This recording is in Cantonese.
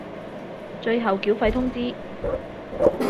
最後繳費通知